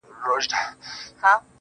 زمـا مــاسوم زړه.